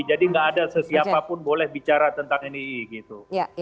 jadi tidak ada sesiapa pun boleh bicara tentang nii gitu